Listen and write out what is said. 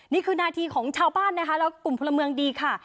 นี่คือนาทีของชาวบ้านนะคะแล้วกลุ่มพลเมืองดีค่ะ